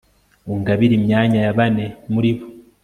Ungabire imyanya ya bane muri bo